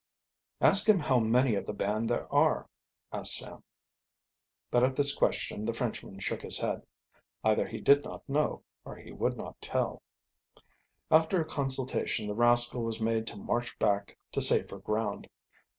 "Ask him how many of the band there are," asked Sam. But at this question the Frenchman shook his head. Either he did not know or would not tell. After a consultation the rascal was made to march back to safer ground.